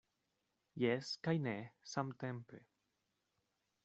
Jes kaj ne samtempe.